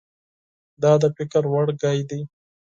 دا د فکر وړ خبره ده.